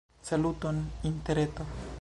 Saluton interreto!